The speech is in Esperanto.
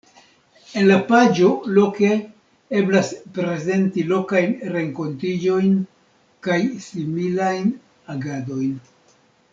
En la paĝo Loke eblas prezenti lokajn renkontiĝojn kaj similajn agadojn.